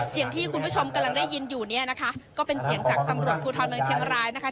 เสียงที่คุณผู้ชมกำลังได้ยินอยู่เนี่ยนะคะก็เป็นเสียงจากตำรวจภูทรเมืองเชียงรายนะคะ